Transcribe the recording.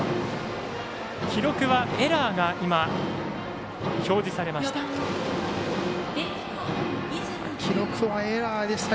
記録はエラーが表示されました。